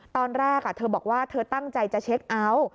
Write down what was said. ตอนแรกเธอบอกว่าเธอตั้งใจจะเช็คเอาท์